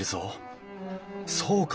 そうか！